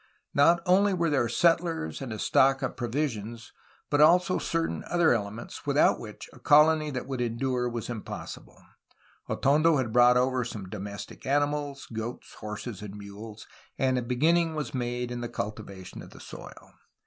Not only were there settlers and a stock of provisions, but also certain other elements without which a colony that would endure was impossible. Atondo had brought over some domestic animals (goats, horses, and mules), and a beginning was made in the cultivation of the soil.